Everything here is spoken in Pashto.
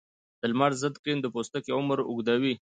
د لمر ضد کریم د پوستکي عمر اوږدوي.